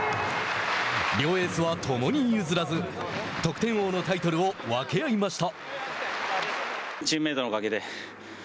両エースは共に譲らず得点王のタイトルを分け合いました。